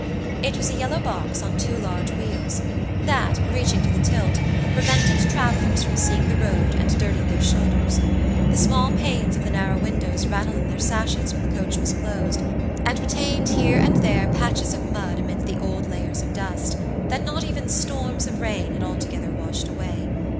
It was a yellow box on two large wheels, that, reaching to the tilt, prevented travelers from seeing the road and dirtied their shoulders. The small panes of the narrow windows rattled in their sashes when the coach was closed, and retained here and there patches of mud amid the old layers of dust, that not even storms of rain had altogether washed away.